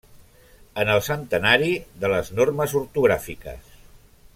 En el centenari de les normes ortogràfiques.